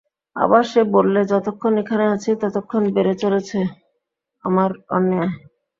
আবার সে বললে, যতক্ষণ এখানে আছি ততক্ষণ বেড়ে চলেছে আমার অন্যায়।